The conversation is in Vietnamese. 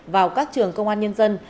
vào các trường công an nhân dân